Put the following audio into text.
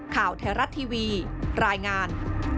ข่าวไทยรัฐทีวีรายงาน